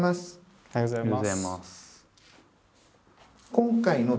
おはようございます。